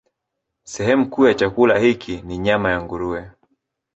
Sehemu kuu ya chakula hiki ni nyama ya nguruwe.